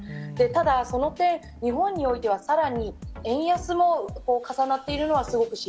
ただ、その点、日本においては、さらに円安も重なっているのはす